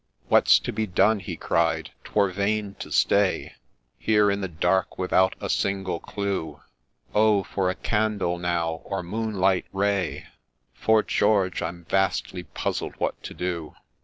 ' What 's to be done ?' he cried ;' 'Twere vain to stay Here in the dark without a single clue — Oh, for a candle now, or moonlight ray ! 'Fore George, I'm vastly puzzled what to do.'